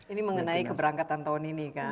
ini mengenai keberangkatan tahun ini kan